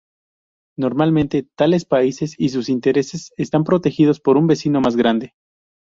Normalmente tales países y sus intereses están protegidos por un vecino más grande.